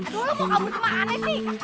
aduh lu mau kabur kemana sih